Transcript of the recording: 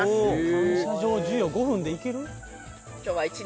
・感謝状授与５分でいける？